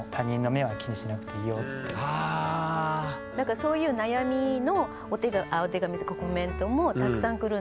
そういう悩みのお手紙とかコメントもたくさん来るんですよ。